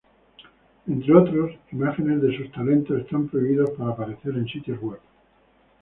Entre otros, imágenes de sus talentos están prohibidos para aparecer en sitios web.